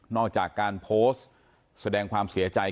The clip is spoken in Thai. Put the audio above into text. อกจากการโพสต์แสดงความเสียใจ